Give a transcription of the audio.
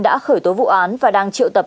đã khởi tố vụ án và đang triệu tập